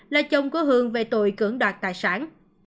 là chồng của hường về tội cưỡng đoạt tài sản